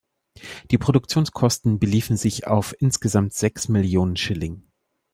Die Produktionskosten beliefen sich auf insgesamt sechs Millionen Schilling.